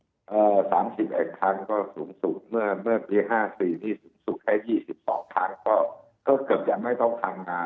๓๐อักทางก็สูงสุดเมื่อปี๕๔สูงแค่๒๒ทางก็เกือบจะไม่ต้องทำมา